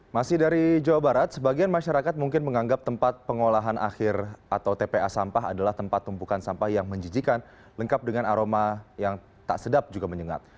masih dari jawa barat sebagian masyarakat mungkin menganggap tempat pengolahan akhir atau tpa sampah adalah tempat tumpukan sampah yang menjijikan lengkap dengan aroma yang tak sedap juga menyengat